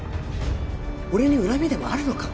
俺に恨みでもあるのか？